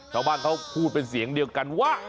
ชาวบ้านเขาพูดเป็นเสียงเดียวกันว่า